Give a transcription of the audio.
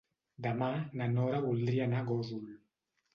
Demà na Nora voldria anar a Gósol.